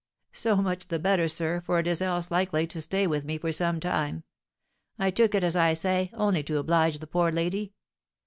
So much the better, sir, for it is else likely to stay with me for some time; I took it, as I say, only to oblige the poor lady.